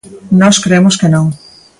Nós cremos que non.